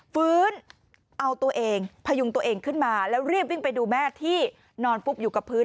ฟื้นเอาตัวเองพยุงตัวเองขึ้นมาแล้วรีบวิ่งไปดูแม่ที่นอนฟุบอยู่กับพื้น